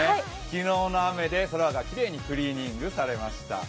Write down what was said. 昨日の雨で空がきれいにクリーニングされました。